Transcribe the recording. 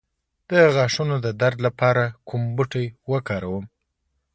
د غاښونو د درد لپاره کوم بوټی وکاروم؟